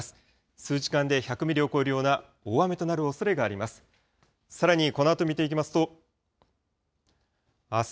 数時間で１００ミリを超えるような大雨となるおそれがあります。